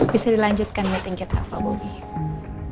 bisa dilanjutkan dating kita pak bomi